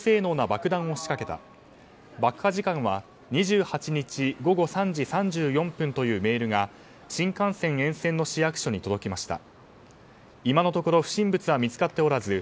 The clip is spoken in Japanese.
爆破時間は２８日午後３時３４分というメールが新幹線沿線の市役所に届きました。